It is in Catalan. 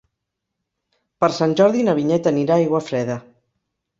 Per Sant Jordi na Vinyet anirà a Aiguafreda.